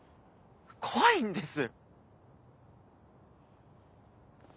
怖いんです。